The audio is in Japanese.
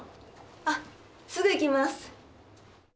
あっすぐ行きます。